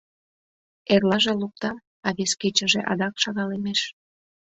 Эрлаже луктам, а вес кечынже адак шагалемеш.